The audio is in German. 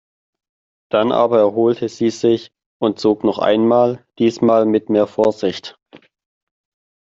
Dann aber erholte sie sich und zog noch einmal, diesmal mit mehr Vorsicht.